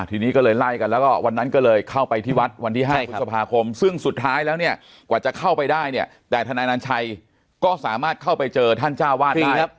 ทีนี้ก็เลยไล่กันแล้วก็วันนั้นก็เลยเข้าไปที่วัดวันที่๕พฤษภาคมซึ่งสุดท้ายแล้วเนี่ยกว่าจะเข้าไปได้เนี่ยแต่ทนายนันชัยก็สามารถเข้าไปเจอท่านเจ้าวาดได้